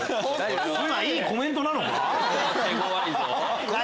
今いいコメントなのか？